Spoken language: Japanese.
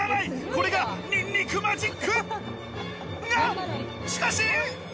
これがニンニクマジック！が、しかし。